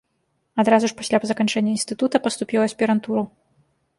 Адразу ж пасля заканчэння інстытута паступіў у аспірантуру.